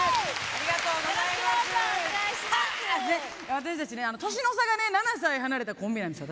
私たちね年の差がね７歳離れたコンビなんですよ